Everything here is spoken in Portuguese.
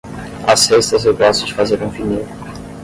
Às sextas eu gosto de fazer um vinil.